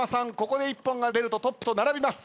ここで一本が出るとトップと並びます。